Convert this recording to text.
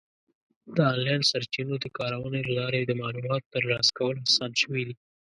د آنلاین سرچینو د کارونې له لارې د معلوماتو ترلاسه کول اسان شوي دي.